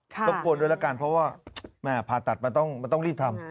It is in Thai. ค่ะรบกวนด้วยละกันเพราะว่าแม่ผ่าตัดมันต้องมันต้องรีบทำ